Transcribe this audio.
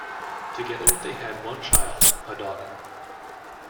Together they had one child, a daughter.